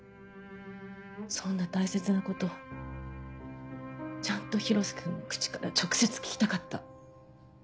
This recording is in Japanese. そんな大切なことちゃんと広瀬君の口から直接聞きたかった。